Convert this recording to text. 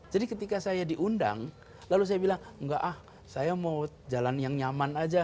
jadi ketika saya diundang lalu saya bilang enggak ah saya mau jalan yang nyaman aja